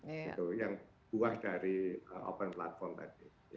itu yang keluar dari open platform tadi